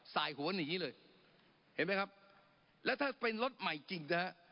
สายหัวหนีเลยเห็นไหมครับแล้วถ้าเป็นรถใหม่จริงนะฮะ